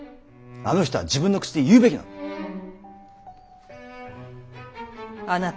あの人は自分の口で言うべきなんだ。